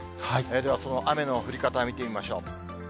ではその雨の降り方見てみましょう。